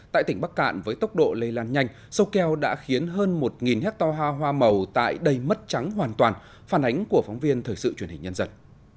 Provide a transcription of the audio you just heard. tại tỉnh bắc cạn với tốc độ lây lan nhanh sâu kèo đã khiến hơn một hecto hoa màu tại đầy mất trắng hoàn toàn phản ánh của phóng viên thời sự truyền hình nhân dân